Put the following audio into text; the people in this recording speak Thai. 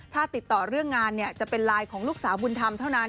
ถ้าติดต่อเรื่องงานจะเป็นไลน์ของลูกสาวบุญธรรมเท่านั้น